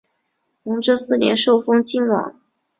弘治四年受封泾王。